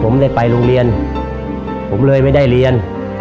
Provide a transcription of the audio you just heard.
ผมได้ไปโรงเรียนผมเลยไม่ได้เรียน